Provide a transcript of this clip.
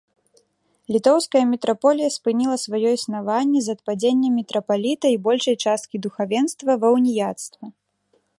Літоўская мітраполія спыніла сваё існаванне з адпадзеннем мітрапаліта і большай часткі духавенства ва ўніяцтва.